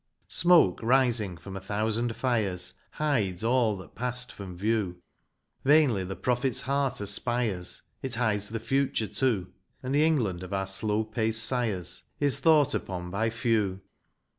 Smoke, rising from a thousand fires, Hides all that passed from view ; Vainly the prophet's heart aspires, — It hides the future too ; And the England of our slow paced sires Is thought upon by few.